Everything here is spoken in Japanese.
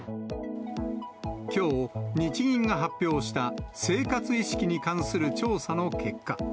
きょう、日銀が発表した生活意識に関する調査の結果。